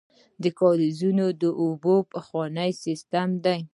کاریزونه د اوبو پخوانی سیسټم دی.